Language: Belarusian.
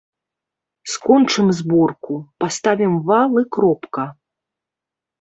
Скончым зборку, паставім вал, і кропка.